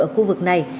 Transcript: ở khu vực này